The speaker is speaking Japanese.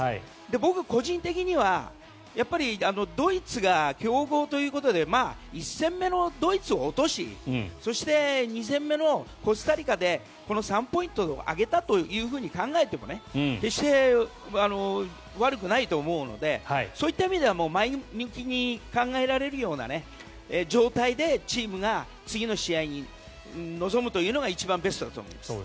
僕、個人的にはドイツが強豪ということで１戦目のドイツを落としそして、２戦目のコスタリカでこの３ポイント挙げたというふうに考えても決して悪くないと思うのでそういった意味では前向きに考えられるような状態でチームが次の試合に臨むというのが一番ベストだと思います。